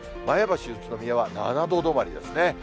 前橋、宇都宮は７度止まりですね。